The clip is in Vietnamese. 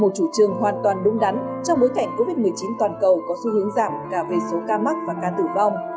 một chủ trương hoàn toàn đúng đắn trong bối cảnh covid một mươi chín toàn cầu có xu hướng giảm cả về số ca mắc và ca tử vong